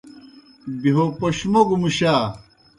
بہیو پوْش موگو مُشا۔